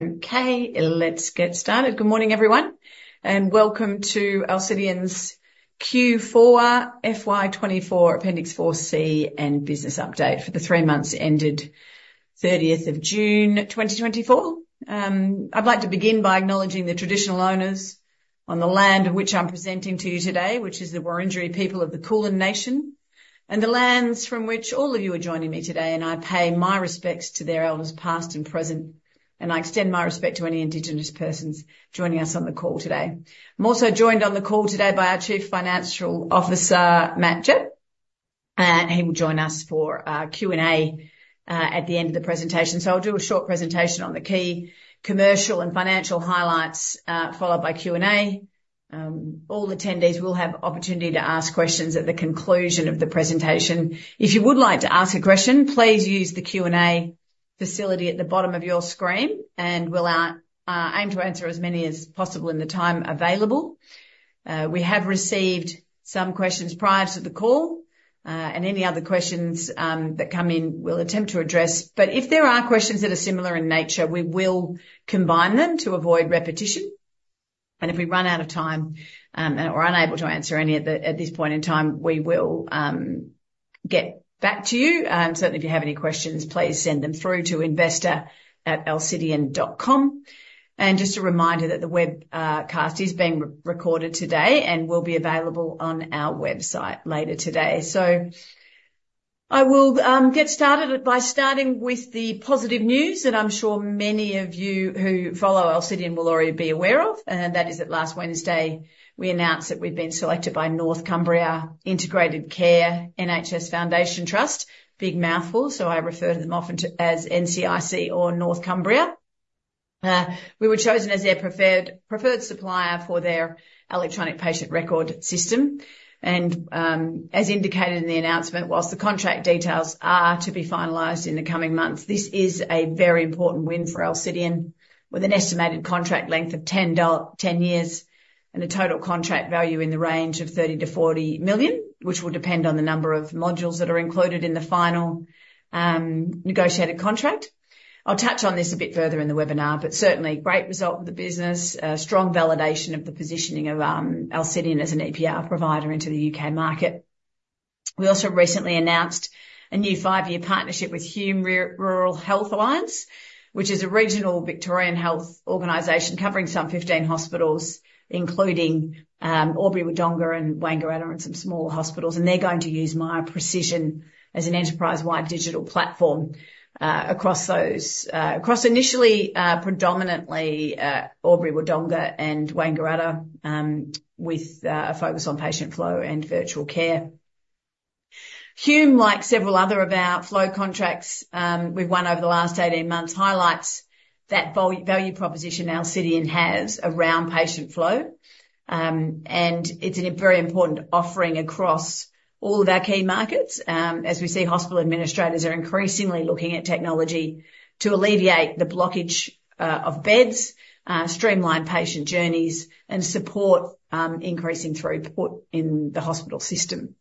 Okay, let's get started. Good morning, everyone, and welcome to Alcidion's Q4 FY 2024 Appendix 4C and Business Update for the three months ended 30th June 2024. I'd like to begin by acknowledging the traditional owners on the land of which I'm presenting to you today, which is the Wurundjeri people of the Kulin Nation, and the lands from which all of you are joining me today. I pay my respects to their elders, past and present, and I extend my respect to any Indigenous persons joining us on the call today. I'm also joined on the call today by our Chief Financial Officer, Matt Gepp, and he will join us for Q&A at the end of the presentation. I'll do a short presentation on the key commercial and financial highlights, followed by Q&A. All attendees will have the opportunity to ask questions at the conclusion of the presentation. If you would like to ask a question, please use the Q&A facility at the bottom of your screen, and we'll aim to answer as many as possible in the time available. We have received some questions prior to the call, and any other questions that come in, we'll attempt to address. But if there are questions that are similar in nature, we will combine them to avoid repetition. If we run out of time or are unable to answer any at this point in time, we will get back to you. Certainly, if you have any questions, please send them through to investor@alcidion.com. Just a reminder that the webcast is being recorded today and will be available on our website later today. I will get started by starting with the positive news that I'm sure many of you who follow Alcidion will already be aware of, and that is that last Wednesday we announced that we've been selected by North Cumbria Integrated Care NHS Foundation Trust, big mouthful, so I refer to them often as NCIC or North Cumbria. We were chosen as their preferred supplier for their Electronic Patient Record system. As indicated in the announcement, whilst the contract details are to be finalized in the coming months, this is a very important win for Alcidion, with an estimated contract length of 10 years and a total contract value in the range of 30-40 million, which will depend on the number of modules that are included in the final negotiated contract. I'll touch on this a bit further in the webinar, but certainly a great result for the business, a strong validation of the positioning of Alcidion as an EPR provider into the U.K. market. We also recently announced a new 5-year partnership with Hume Rural Health Alliance, which is a regional Victorian health organization covering some 15 hospitals, including Albury, Wodonga, and Wangaratta, and some small hospitals. They're going to use Miya Precision as an enterprise-wide digital platform across initially predominantly Albury, Wodonga, and Wangaratta, with a focus on patient flow and virtual care. Hume, like several other of our flow contracts we've won over the last 18 months, highlights that value proposition Alcidion has around patient flow, and it's a very important offering across all of our key markets. As we see, hospital administrators are increasingly looking at technology to alleviate the blockage of beds, streamline patient journeys, and support increasing throughput in the hospital system.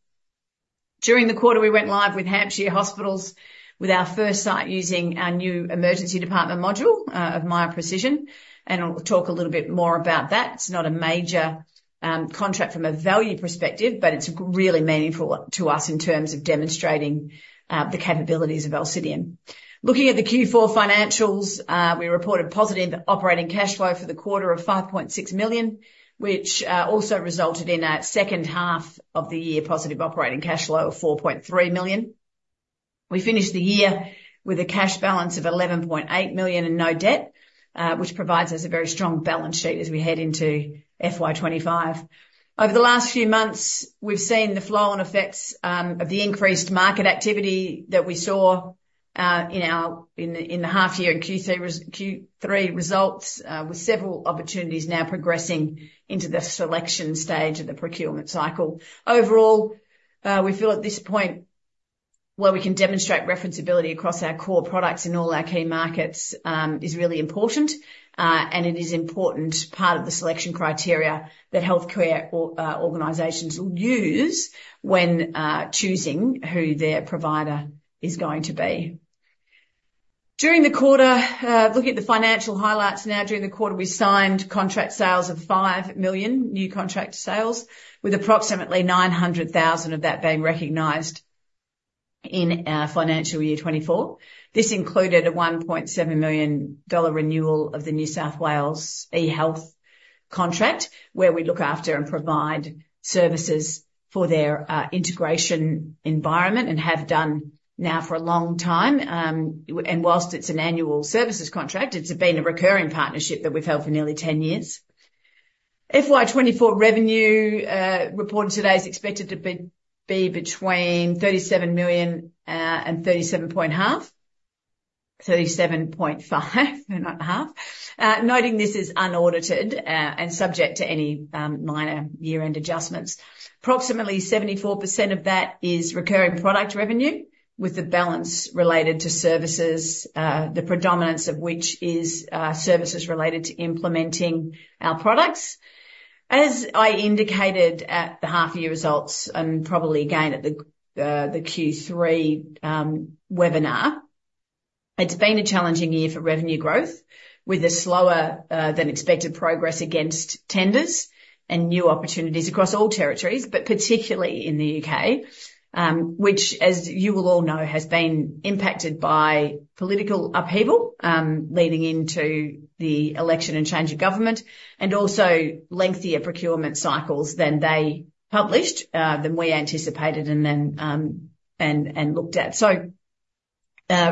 During the quarter, we went live with Hampshire Hospitals, with our first site using our new Emergency Department module of Miya Precision, and I'll talk a little bit more about that. It's not a major contract from a value perspective, but it's really meaningful to us in terms of demonstrating the capabilities of Alcidion. Looking at the Q4 financials, we reported positive operating cash flow for the quarter of 5.6 million, which also resulted in a second half of the year positive operating cash flow of 4.3 million. We finished the year with a cash balance of 11.8 million and no debt, which provides us a very strong balance sheet as we head into FY 2025. Over the last few months, we've seen the flow-on effects of the increased market activity that we saw in the half year and Q3 results, with several opportunities now progressing into the selection stage of the procurement cycle. Overall, we feel at this point where we can demonstrate referenceability across our core products in all our key markets is really important, and it is an important part of the selection criteria that healthcare organizations will use when choosing who their provider is going to be. Looking at the financial highlights now, during the quarter, we signed contract sales of 5 million, new contract sales, with approximately 900,000 of that being recognized in financial year 2024. This included a 1.7 million dollar renewal of the New South Wales eHealth contract, where we look after and provide services for their integration environment and have done now for a long time. While it's an annual services contract, it's been a recurring partnership that we've held for nearly 10 years. FY 2024 revenue reported today is expected to be between 37 million and 37.5 million, not half, noting this is unaudited and subject to any minor year-end adjustments. Approximately 74% of that is recurring product revenue, with the balance related to services, the predominance of which is services related to implementing our products. As I indicated at the half year results and probably again at the Q3 webinar, it's been a challenging year for revenue growth, with a slower than expected progress against tenders and new opportunities across all territories, but particularly in the U.K., which, as you will all know, has been impacted by political upheaval leading into the election and change of government, and also lengthier procurement cycles than they published, than we anticipated and looked at.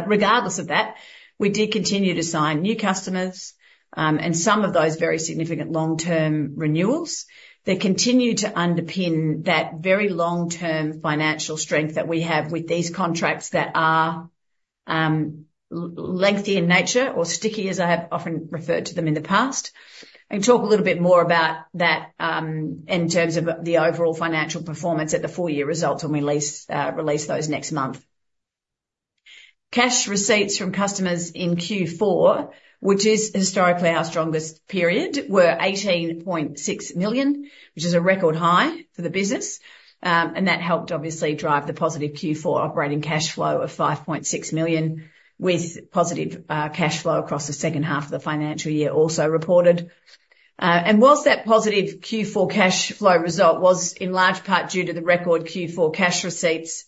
Regardless of that, we did continue to sign new customers and some of those very significant long-term renewals. They continue to underpin that very long-term financial strength that we have with these contracts that are lengthy in nature or sticky, as I have often referred to them in the past. I can talk a little bit more about that in terms of the overall financial performance at the four-year results when we release those next month. Cash receipts from customers in Q4, which is historically our strongest period, were 18.6 million, which is a record high for the business, and that helped, obviously, drive the positive Q4 operating cash flow of 5.6 million, with positive cash flow across the second half of the financial year also reported. While that positive Q4 cash flow result was in large part due to the record Q4 cash receipts,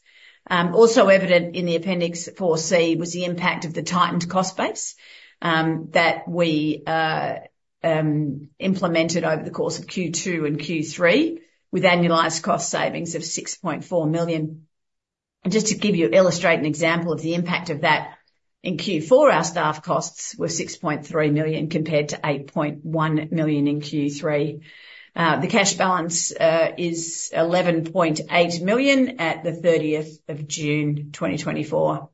also evident in the Appendix 4C was the impact of the tightened cost base that we implemented over the course of Q2 and Q3, with annualized cost savings of 6.4 million. Just to illustrate an example of the impact of that in Q4, our staff costs were 6.3 million compared to 8.1 million in Q3. The cash balance is 11.8 million at 30th June 2024.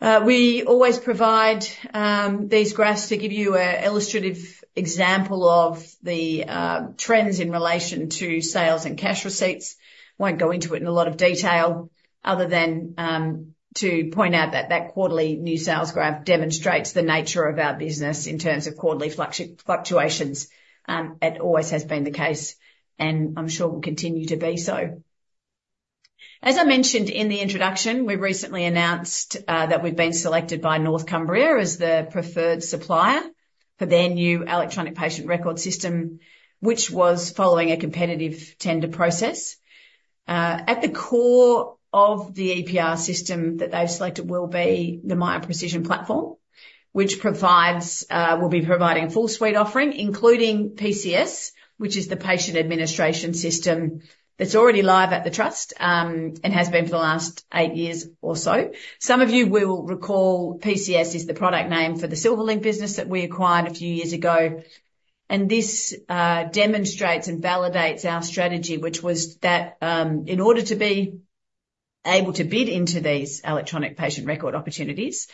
We always provide these graphs to give you an illustrative example of the trends in relation to sales and cash receipts. I won't go into it in a lot of detail other than to point out that that quarterly new sales graph demonstrates the nature of our business in terms of quarterly fluctuations. It always has been the case, and I'm sure will continue to be so. As I mentioned in the introduction, we recently announced that we've been selected by North Cumbria as the preferred supplier for their new Electronic Patient Record system, which was following a competitive tender process. At the core of the EPR system that they've selected will be the Miya Precision platform, which will be providing a full suite offering, including PCS, which is the Patient Administration System that's already live at the trust and has been for the last eight years or so. Some of you will recall PCS is the product name for the Silverlink business that we acquired a few years ago, and this demonstrates and validates our strategy, which was that in order to be able to bid into these Electronic Patient Record opportunities,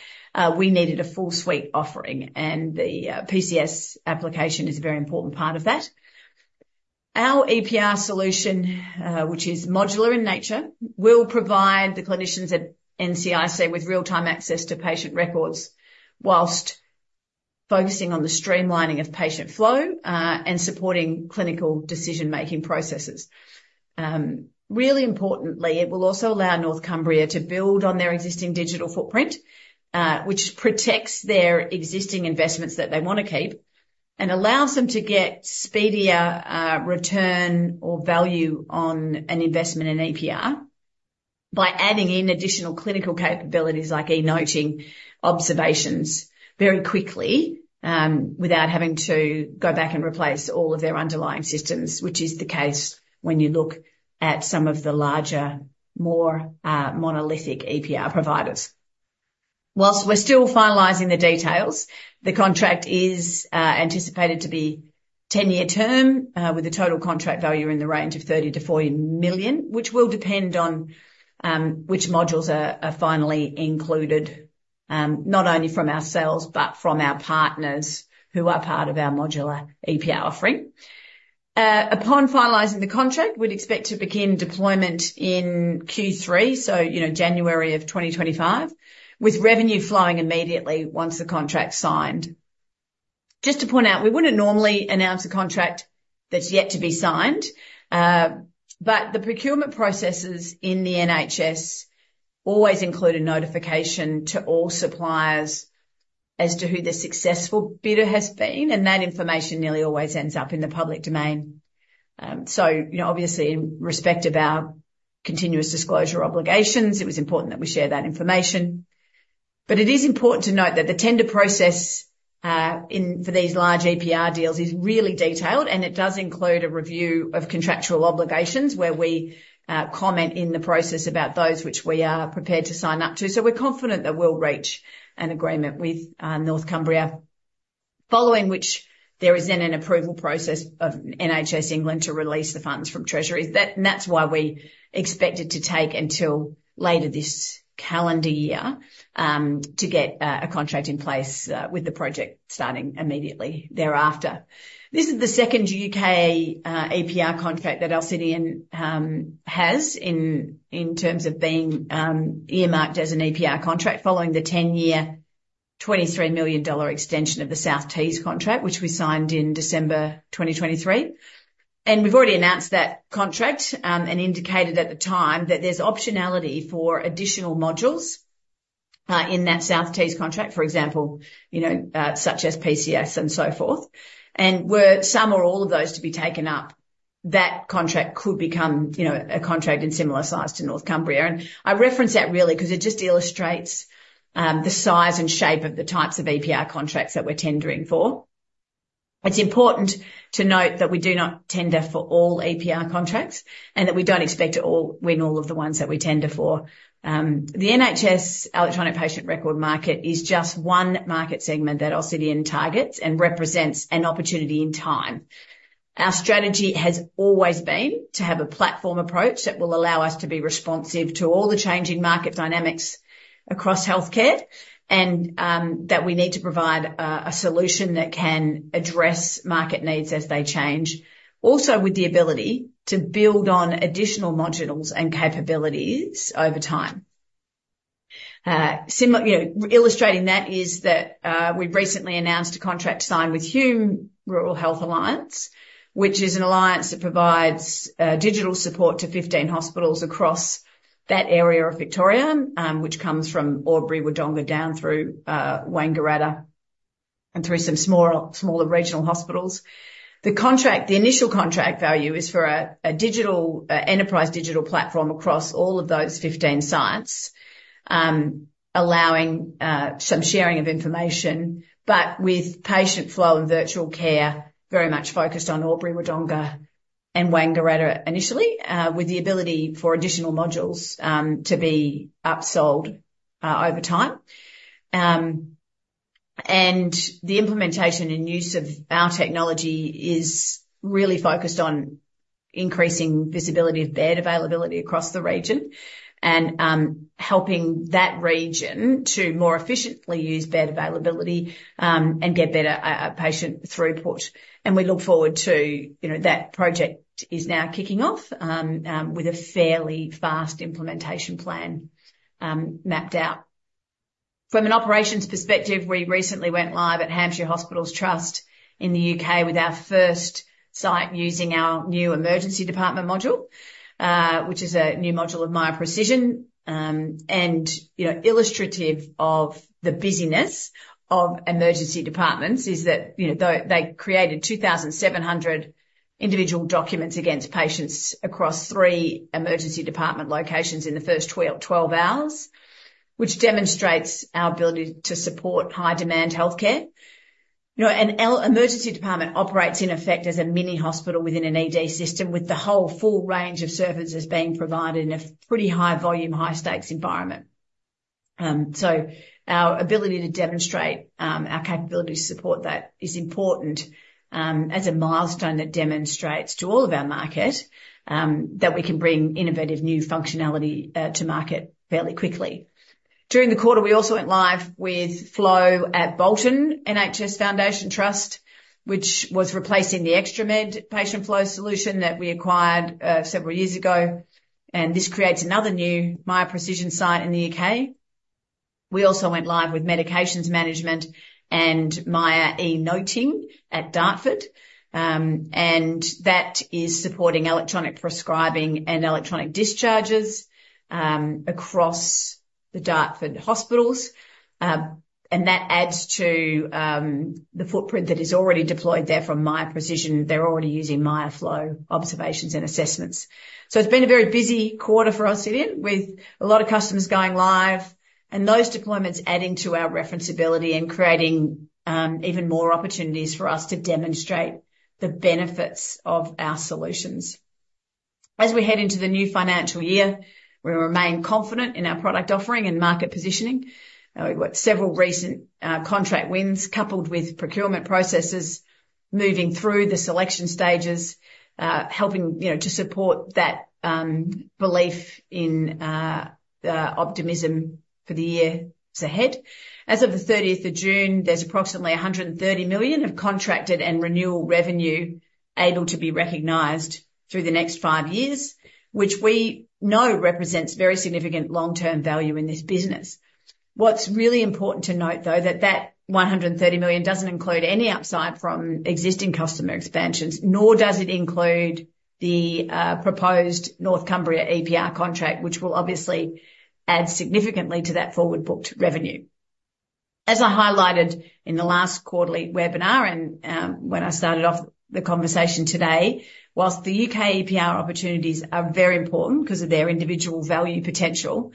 we needed a full suite offering, and the PCS application is a very important part of that. Our EPR solution, which is modular in nature, will provide the clinicians at NCIC with real-time access to patient records whilst focusing on the streamlining of patient flow and supporting clinical decision-making processes. Really importantly, it will also allow North Cumbria to build on their existing digital footprint, which protects their existing investments that they want to keep and allows them to get speedier return or value on an investment in EPR by adding in additional clinical capabilities like e-Noting observations very quickly without having to go back and replace all of their underlying systems, which is the case when you look at some of the larger, more monolithic EPR providers. Whilst we're still finalizing the details, the contract is anticipated to be a 10-year term with a total contract value in the range of 30 million-40 million, which will depend on which modules are finally included, not only from our sales but from our partners who are part of our modular EPR offering. Upon finalizing the contract, we'd expect to begin deployment in Q3, so January of 2025, with revenue flowing immediately once the contract's signed. Just to point out, we wouldn't normally announce a contract that's yet to be signed, but the procurement processes in the NHS always include a notification to all suppliers as to who the successful bidder has been, and that information nearly always ends up in the public domain. Obviously, in respect of our continuous disclosure obligations, it was important that we share that information. But it is important to note that the tender process for these large EPR deals is really detailed, and it does include a review of contractual obligations where we comment in the process about those which we are prepared to sign up to. We're confident that we'll reach an agreement with North Cumbria, following which there is then an approval process of NHS England to release the funds from Treasuries. That's why we expect it to take until later this calendar year to get a contract in place with the project starting immediately thereafter. This is the second U.K. EPR contract that Alcidion has in terms of being earmarked as an EPR contract, following the 10-year 23 million dollar extension of the South Tees contract, which we signed in December 2023. We've already announced that contract and indicated at the time that there's optionality for additional modules in that South Tees contract, for example, such as PCS and so forth. Were some or all of those to be taken up, that contract could become a contract in similar size to North Cumbria. I reference that really because it just illustrates the size and shape of the types of EPR contracts that we're tendering for. It's important to note that we do not tender for all EPR contracts and that we don't expect to win all of the ones that we tender for. The NHS Electronic Patient Record market is just one market segment that Alcidion targets and represents an opportunity in time. Our strategy has always been to have a platform approach that will allow us to be responsive to all the changing market dynamics across healthcare and that we need to provide a solution that can address market needs as they change, also with the ability to build on additional modules and capabilities over time. Illustrating that is that we've recently announced a contract signed with Hume Rural Health Alliance, which is an alliance that provides digital support to 15 hospitals across that area of Victoria, which comes from Albury, Wodonga, down through Wangaratta and through some smaller regional hospitals. The initial contract value is for an enterprise digital platform across all of those 15 sites, allowing some sharing of information, but with patient flow and virtual care very much focused on Albury, Wodonga, and Wangaratta initially, with the ability for additional modules to be upsold over time. The implementation and use of our technology is really focused on increasing visibility of bed availability across the region and helping that region to more efficiently use bed availability and get better patient throughput. We look forward to that project is now kicking off with a fairly fast implementation plan mapped out. From an operations perspective, we recently went live at Hampshire Hospitals Trust in the U.K. with our first site using our new Emergency Department module, which is a new module of Miya Precision. Illustrative of the busyness of Emergency Departments is that they created 2,700 individual documents against patients across three Emergency Department locations in the first 12 hours, which demonstrates our ability to support high-demand healthcare. An Emergency Department operates, in effect, as a mini hospital within an ED system, with the whole full range of services being provided in a pretty high-volume, high-stakes environment. Our ability to demonstrate our capability to support that is important as a milestone that demonstrates to all of our market that we can bring innovative new functionality to market fairly quickly. During the quarter, we also went live with Flow at Bolton NHS Foundation Trust, which was replacing the ExtraMed patient flow solution that we acquired several years ago. This creates another new Miya Precision site in the U.K. We also went live with Medications Management and Miya e-Noting at Dartford, and that is supporting electronic prescribing and electronic discharges across the Dartford hospitals. That adds to the footprint that is already deployed there from Miya Precision. They're already using Miya Flow observations and assessments. It's been a very busy quarter for Alcidion, with a lot of customers going live and those deployments adding to our referenceability and creating even more opportunities for us to demonstrate the benefits of our solutions. As we head into the new financial year, we remain confident in our product offering and market positioning. We've got several recent contract wins coupled with procurement processes moving through the selection stages, helping to support that belief in optimism for the years ahead. As of the 30th of June, there's approximately 130 million of contracted and renewal revenue able to be recognized through the next five years, which we know represents very significant long-term value in this business. What's really important to note, though, that that 130 million doesn't include any upside from existing customer expansions, nor does it include the proposed North Cumbria EPR contract, which will obviously add significantly to that forward booked revenue. As I highlighted in the last quarterly webinar and when I started off the conversation today, whilst the U.K. EPR opportunities are very important because of their individual value potential,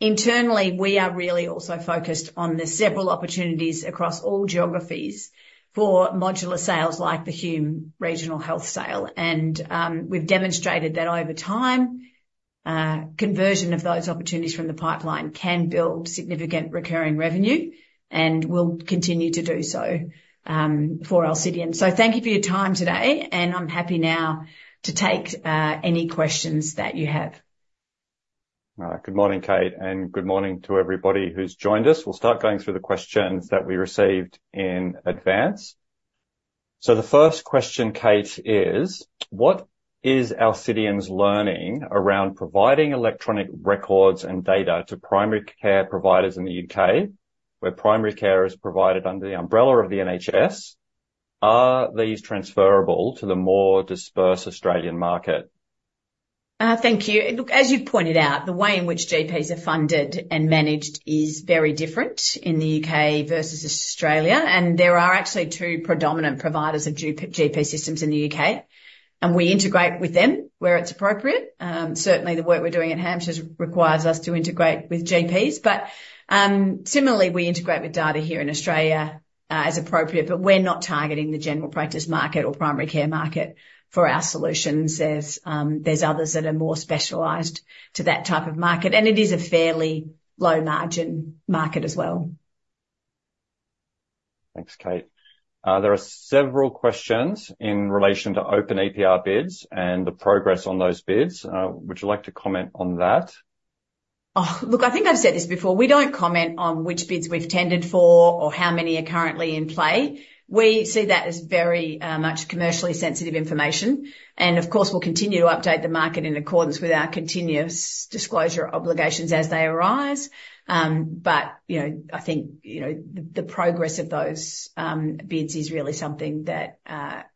internally, we are really also focused on the several opportunities across all geographies for modular sales like the Hume Rural Health Alliance. We've demonstrated that over time, conversion of those opportunities from the pipeline can build significant recurring revenue and will continue to do so for Alcidion. Thank you for your time today, and I'm happy now to take any questions that you have. Good morning, Kate, and good morning to everybody who's joined us. We'll start going through the questions that we received in advance. The first question, Kate, is, what is Alcidion's learning around providing electronic records and data to primary care providers in the U.K., where primary care is provided under the umbrella of the NHS? Are these transferable to the more dispersed Australian market? Thank you. As you pointed out, the way in which GPs are funded and managed is very different in the U.K. versus Australia. There are actually two predominant providers of GP systems in the U.K., and we integrate with them where it's appropriate. Certainly, the work we're doing at Hampshire requires us to integrate with GPs, but similarly, we integrate with data here in Australia as appropriate. But we're not targeting the general practice market or primary care market for our solutions. There's others that are more specialized to that type of market, and it is a fairly low-margin market as well. Thanks, Kate. There are several questions in relation to open EPR bids and the progress on those bids. Would you like to comment on that? Look, I think I've said this before. We don't comment on which bids we've tendered for or how many are currently in play. We see that as very much commercially sensitive information. Of course, we'll continue to update the market in accordance with our continuous disclosure obligations as they arise. But I think the progress of those bids is really something that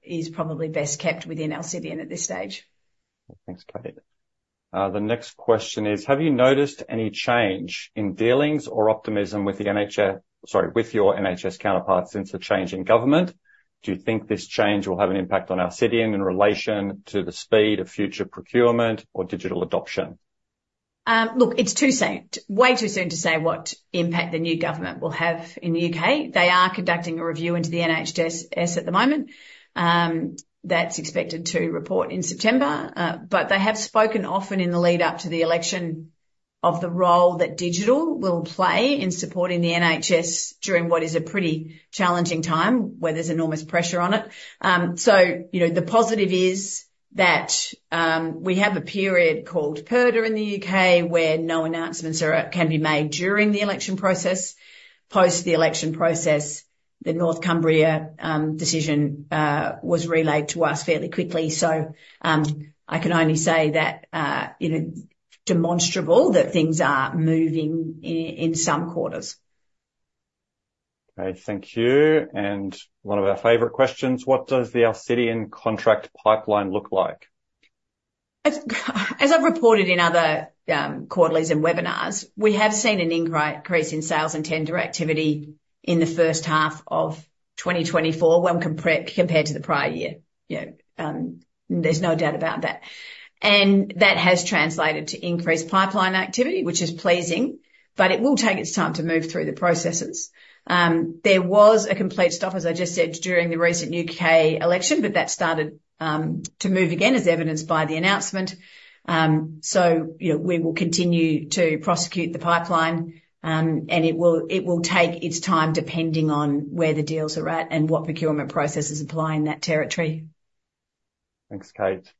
is probably best kept within Alcidion at this stage. Thanks, Kate. The next question is, have you noticed any change in dealings or optimism with your NHS counterparts since the change in government? Do you think this change will have an impact on Alcidion in relation to the speed of future procurement or digital adoption? Look, it's too soon, way too soon to say what impact the new government will have in the U.K. They are conducting a review into the NHS at the moment. That's expected to report in September. But they have spoken often in the lead-up to the election of the role that digital will play in supporting the NHS during what is a pretty challenging time where there's enormous pressure on it. The positive is that we have a period called Purdah in the U.K. where no announcements can be made during the election process. Post the election process, the North Cumbria decision was relayed to us fairly quickly. I can only say that it's demonstrable that things are moving in some quarters. Okay, thank you. One of our favorite questions, what does the Alcidion contract pipeline look like? As I've reported in other quarterlies and webinars, we have seen an increase in sales and tender activity in the first half of 2024 when compared to the prior year. There's no doubt about that. That has translated to increased pipeline activity, which is pleasing, but it will take its time to move through the processes. There was a complete stop, as I just said, during the recent U.K. election, but that started to move again, as evidenced by the announcement. We will continue to prosecute the pipeline, and it will take its time depending on where the deals are at and what procurement processes apply in that territory. Thanks, Kate.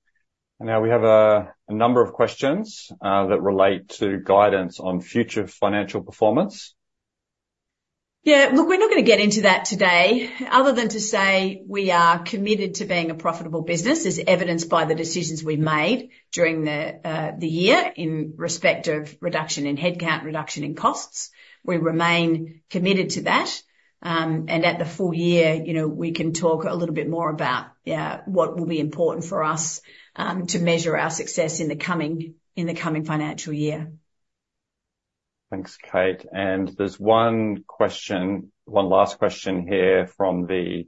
Now, we have a number of questions that relate to guidance on future financial performance. Yeah, look, we're not going to get into that today other than to say we are committed to being a profitable business, as evidenced by the decisions we've made during the year in respect of reduction in headcount, reduction in costs. We remain committed to that. At the full year, we can talk a little bit more about what will be important for us to measure our success in the coming financial year. Thanks, Kate. There's one last question here from the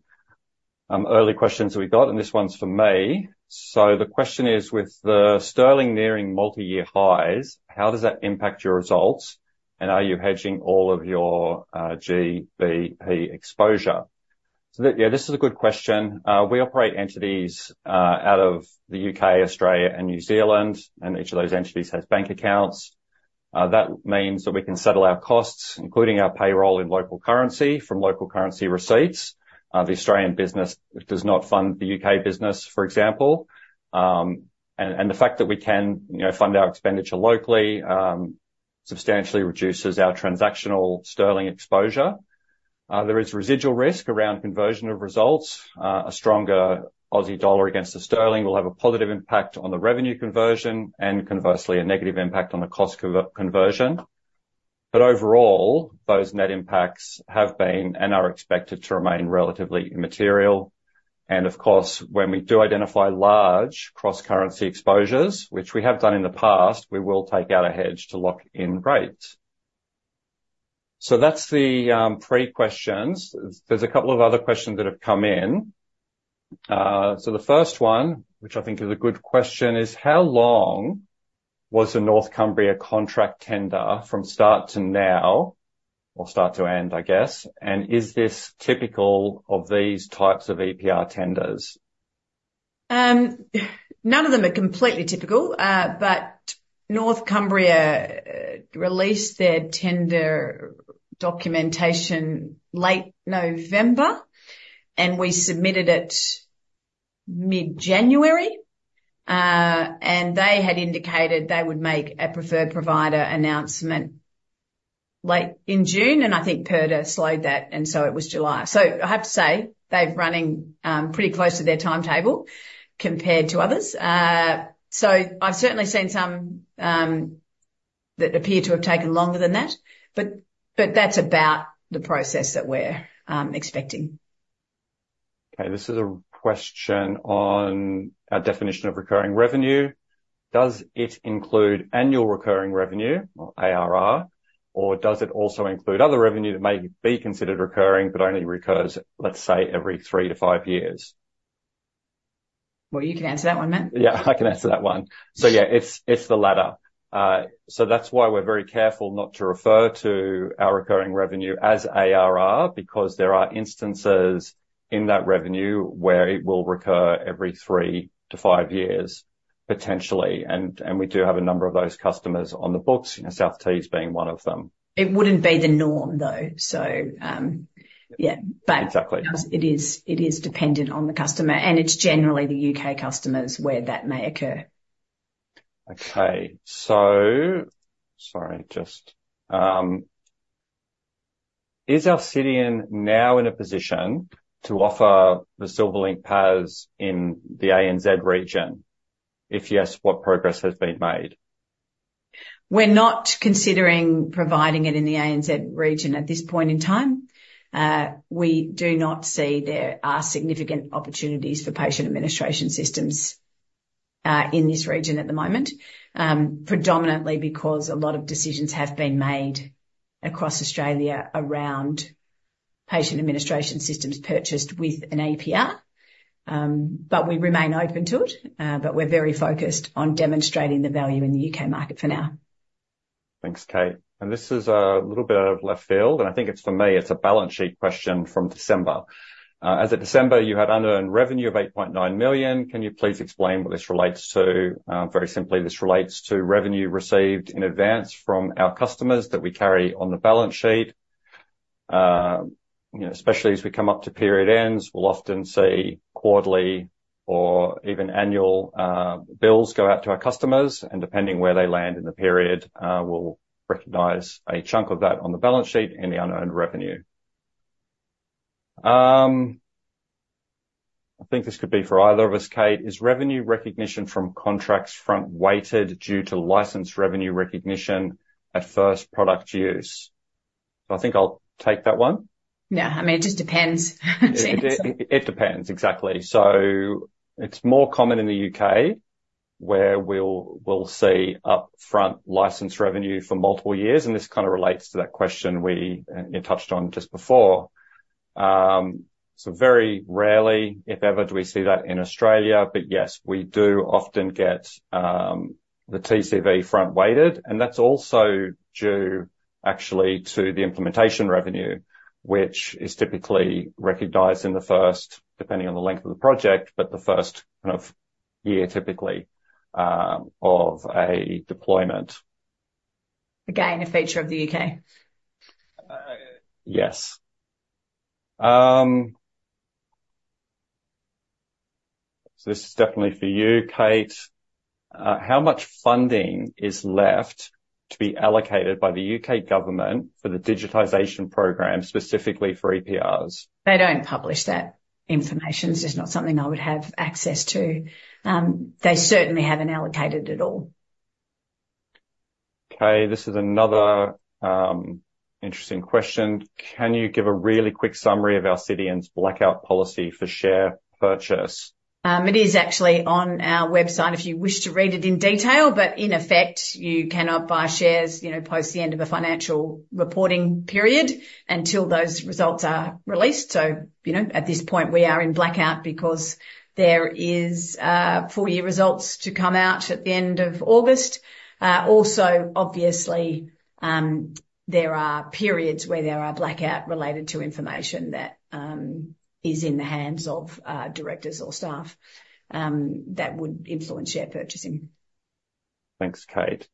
early questions that we got, and this one's for me. The question is, with the sterling nearing multi-year highs, how does that impact your results? Are you hedging all of your GBP exposure? This is a good question. We operate entities out of the U.K., Australia, and New Zealand, and each of those entities has bank accounts. That means that we can settle our costs, including our payroll in local currency, from local currency receipts. The Australian business does not fund the U.K. business, for example. The fact that we can fund our expenditure locally substantially reduces our transactional sterling exposure. There is residual risk around conversion of results. A stronger Aussie dollar against the sterling will have a positive impact on the revenue conversion and, conversely, a negative impact on the cost conversion. Overall, those net impacts have been and are expected to remain relatively immaterial. Of course, when we do identify large cross-currency exposures, which we have done in the past, we will take out a hedge to lock in rates. That's the pre-questions. There's a couple of other questions that have come in. The first one, which I think is a good question, is how long was the North Cumbria contract tender from start to now or start to end, I guess? Is this typical of these types of EPR tenders? None of them are completely typical, but North Cumbria released their tender documentation late November, and we submitted it mid-January. They had indicated they would make a preferred provider announcement late in June, and I think Purdah slowed that, and so it was July. I have to say they're running pretty close to their timetable compared to others. I've certainly seen some that appear to have taken longer than that, but that's about the process that we're expecting. Okay, this is a question on our definition of recurring revenue. Does it include annual recurring revenue, or ARR, or does it also include other revenue that may be considered recurring but only recurs, let's say, every 3 to 5 years? Well, you can answer that one, Matt. Yeah, I can answer that one. It's the latter. That's why we're very careful not to refer to our recurring revenue as ARR, because there are instances in that revenue where it will recur every 3-5 years, potentially. We do have a number of those customers on the books, South Tees being one of them. It wouldn't be the norm, though. Exactly. It is dependent on the customer, and it's generally the U.K. customers where that may occur. Okay. Sorry, just... Is Alcidion now in a position to offer the Silverlink PAS in the ANZ region? If yes, what progress has been made? We're not considering providing it in the ANZ region at this point in time. We do not see there are significant opportunities for Patient Administration Systems in this region at the moment, predominantly because a lot of decisions have been made across Australia around Patient Administration Systems purchased with an EPR. But we remain open to it. But we're very focused on demonstrating the value in the U.K. market for now. Thanks, Kate. This is a little bit of left field. I think for me, it's a balance sheet question from December. As of December, you had unearned revenue of 8.9 million. Can you please explain what this relates to? Very simply, this relates to revenue received in advance from our customers that we carry on the balance sheet. Especially as we come up to period ends, we'll often see quarterly or even annual bills go out to our customers. Depending where they land in the period, we'll recognize a chunk of that on the balance sheet in the unearned revenue. I think this could be for either of us, Kate. Is revenue recognition from contracts front-weighted due to license revenue recognition at first product use? I think I'll take that one. Yeah, I mean, it just depends. It depends, exactly. It's more common in the U.K., where we'll see upfront license revenue for multiple years. This kind of relates to that question we touched on just before. Very rarely, if ever, do we see that in Australia. But yes, we do often get the TCV front-weighted. That's also due, actually, to the implementation revenue, which is typically recognized in the first, depending on the length of the project, but the first year typically of a deployment. Again, a feature of the U.K. Yes. This is definitely for you, Kate. How much funding is left to be allocated by the U.K. government for the digitization program, specifically for EPRs? They don't publish that information. It's just not something I would have access to. They certainly haven't allocated it all. Okay, this is another interesting question. Can you give a really quick summary of Alcidion's blackout policy for share purchase? It is actually on our website if you wish to read it in detail. But in effect, you cannot buy shares post the end of a financial reporting period until those results are released. At this point, we are in blackout because there are full-year results to come out at the end of August. Also, obviously, there are periods where there are blackout related to information that is in the hands of directors or staff that would influence share purchasing. Thanks, Kate.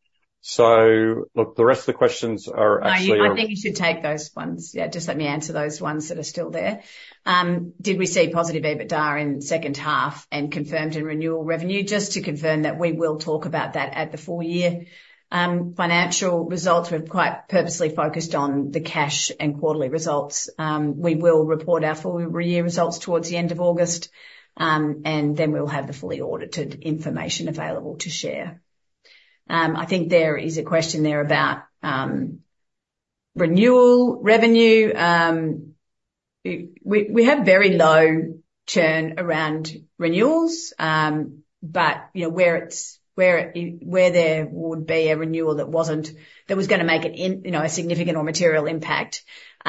Look, the rest of the questions are actually... I think you should take those ones. Just let me answer those ones that are still there. Did we see positive EBITDA in the second half and confirmed in renewal revenue? Just to confirm that we will talk about that at the full-year financial results. We're quite purposely focused on the cash and quarterly results. We will report our full-year results towards the end of August, and then we'll have the fully audited information available to share. I think there is a question there about renewal revenue. We have very low churn around renewals, but where there would be a renewal that wasn't going to make a significant or material impact,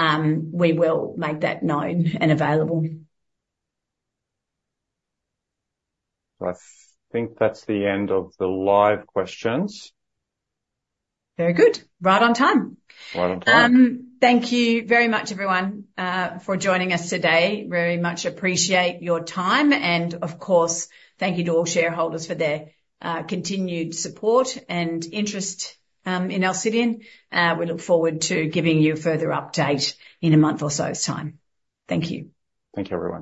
we will make that known and available. I think that's the end of the live questions. Very good. Right on time. Right on time. Thank you very much, everyone, for joining us today. Very much appreciate your time. Of course, thank you to all shareholders for their continued support and interest in Alcidion. We look forward to giving you further updates in a month or so's time. Thank you. Thank you, everyone.